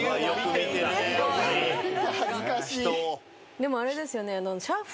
でもあれですよね。